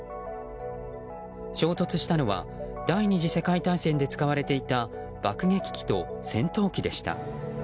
衝突したのは第２次世界大戦で使われていた爆撃機と戦闘機でした。